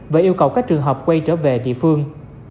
và yêu cầu các trường hợp quay trở về địa phương